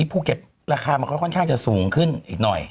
ภูเก็ตราคามันก็ค่อนข้างจะสูงขึ้นอีกหน่อย